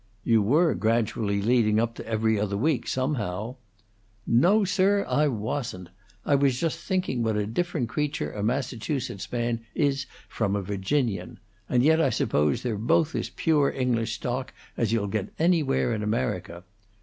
"You were gradually leading up to 'Every Other Week', somehow." "No, sir; I wasn't. I was just thinking what a different creature a Massachusetts man is from a Virginian. And yet I suppose they're both as pure English stock as you'll get anywhere in America.